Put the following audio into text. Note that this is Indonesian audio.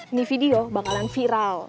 ini video bakalan viral